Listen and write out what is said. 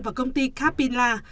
và công ty capilla